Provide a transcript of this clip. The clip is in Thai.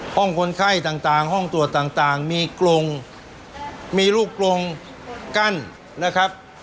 คนไข้ต่างห้องตรวจต่างมีกรงมีลูกกลงกั้นนะครับ